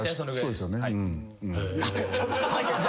そうですよねうん。